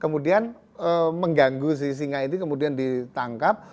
kemudian mengganggu si singa ini kemudian ditangkap